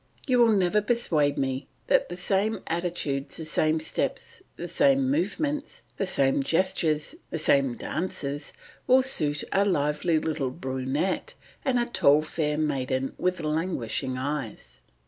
You will never persuade me that the same attitudes, the same steps, the same movements, the same gestures, the same dances will suit a lively little brunette and a tall fair maiden with languishing eyes.